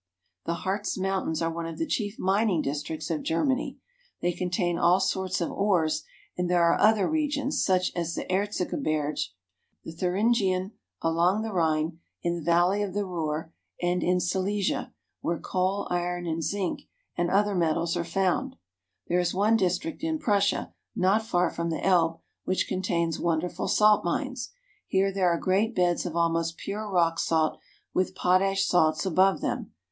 232 GERMANY. The Harz Mountains are one of the chief mining dis tricts of Germany. They contain all sorts of ores, and there are other regions, such as the Erzgebirge, the Thuringian, along the Rhine, in the valley of the Ruhr, and in Silesia, where coal, iron, and zinc, and other metals Salt Works, Kreuznach, Prussia. are found. There is one district in Prussia, not far from the Elbe, which contains wonderful salt mines. Here there are great beds of almost pure rock salt with potash salts above them.